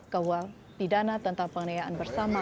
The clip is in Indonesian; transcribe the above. keuang pidana tentang pengenayaan bersama